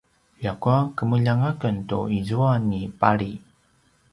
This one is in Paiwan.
ljakua kemeljang aken tu izua ni pali